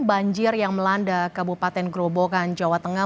banjir yang melanda kabupaten gerobogan jawa tengah